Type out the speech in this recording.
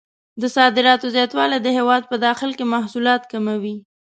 د صادراتو زیاتول د هېواد په داخل کې محصولات کموي.